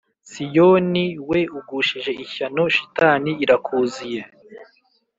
Siyoni we ugushije ishyano shitani irakuziye